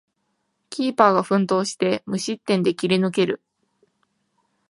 キーパーが奮闘して無失点で切り抜ける